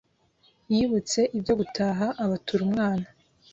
Yibutse ibyo gutaha abatura umwana